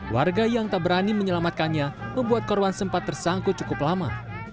warga yang tak berani menyelamatkannya membuat korban sempat tersangkut cukup lama